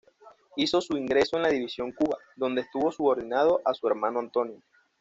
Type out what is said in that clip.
Hizo su ingreso en la División Cuba, donde estuvo subordinado a su hermano Antonio.